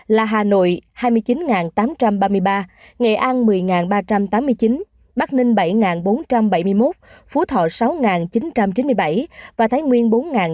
là hà nội hai mươi chín tám trăm ba mươi ba nghệ an một mươi ba trăm tám mươi chín bắc ninh bảy bốn trăm bảy mươi một phú thọ sáu chín trăm chín mươi bảy và thái nguyên bốn chín trăm bảy mươi chín